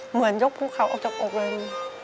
เหมือนยกภูเขาออกจากอกเลย